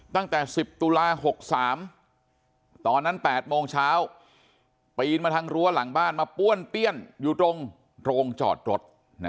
ตั้งแต่๑๐ตุลา๖๓ตอนนั้น๘โมงเช้าปีนมาทางรั้วหลังบ้านมาป้วนเปี้ยนอยู่ตรงโรงจอดรถ